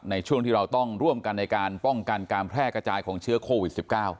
ในช่วงที่เราต้องร่วมกันในการป้องกันการแพร่กระจายของเชื้อโควิด๑๙